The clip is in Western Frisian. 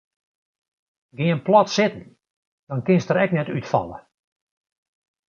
Gean plat sitten dan kinst der ek net útfalle.